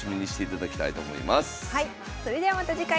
それではまた次回。